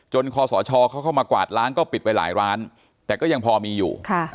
คอสชเขาเข้ามากวาดล้างก็ปิดไปหลายร้านแต่ก็ยังพอมีอยู่